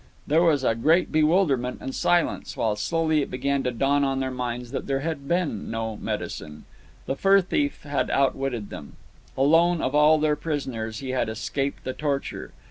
There was a great bewilderment and silence, while slowly it began to dawn in their minds that there had been no medicine. The fur thief had outwitted them. Alone, of all their prisoners, he had escaped the torture.